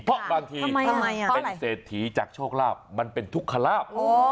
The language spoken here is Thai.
เพราะบางทีเป็นเศรษฐีจากโชคลาภมันเป็นทุกขลาบ